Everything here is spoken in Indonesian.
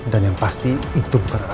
dan yang pasti itu bukan anak aku